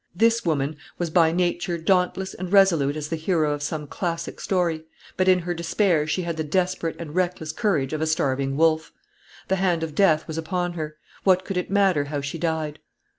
This woman was by nature dauntless and resolute as the hero of some classic story; but in her despair she had the desperate and reckless courage of a starving wolf. The hand of death was upon her; what could it matter how she died?